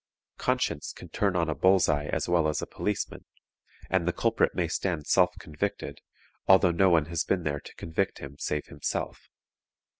Conscience can turn on a bull's eye as well as a policeman, and the culprit may stand self convicted, although no one has been there to convict him save himself.